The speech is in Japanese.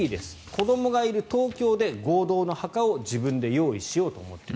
子どもがいる東京で合同の墓を自分で用意しようと思っている。